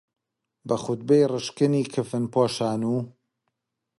بە خوتبەی ڕشکنی کفنپۆشان و